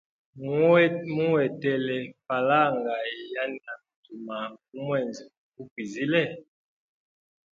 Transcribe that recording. Muhetele falanga yanali utuma mu mwezi gu kwizile.